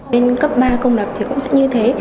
đến cấp ba công đập thì cũng sẽ như thế